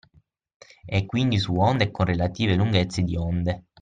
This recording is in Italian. E quindi su onde e con relative lunghezze di onde.